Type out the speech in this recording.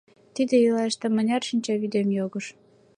— Тиде ийлаште мыняр шинчавӱдем йогыш.